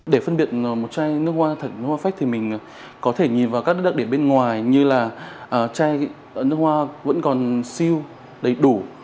để phân biệt một chai nước hoa thật nước hoa phách thì mình có thể nhìn vào các đặc điểm bên ngoài như là chai nước hoa vẫn còn siêu đầy đủ